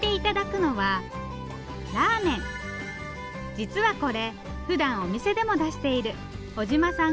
実はこれふだんお店でも出している尾島さん